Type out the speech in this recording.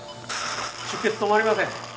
出血止まりません。